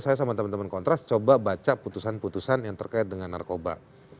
saya sama teman teman kontras coba baca putusan putusan yang terkait dengan narkoba